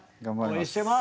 応援してます！